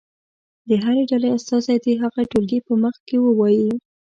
د هرې ډلې استازی دې هغه ټولګي په مخ کې ووایي.